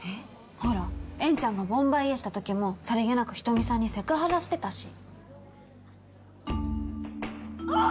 ほら円ちゃんがボンバイエしたときもさりげなく人見さんにセクハラしてたしうわー！